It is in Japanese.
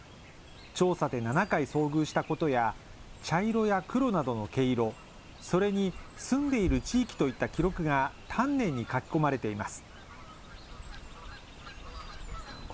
調査で７回遭遇したことや、茶色や黒などの毛色、それに住んでいる地域といった記録が丹念に書き込まれています。